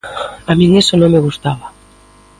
A min iso non me gustaba.